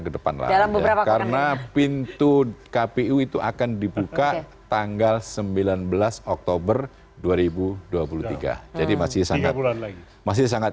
kedepan lah karena pintu kpu itu akan dibuka tanggal sembilan belas oktober dua ribu dua puluh tiga jadi masih sangat masih sangat